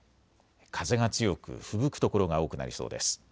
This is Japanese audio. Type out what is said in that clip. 風が強くふぶく所が多くなりそうです。